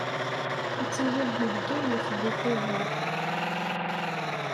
Ad tiliḍ deg Bgayet deg Tubeṛ.